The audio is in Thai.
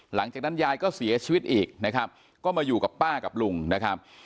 หลังจากนั้นยายก็เสียชีวิตอีกนะครับก็มาอยู่กับป้ากับลุงนะครับ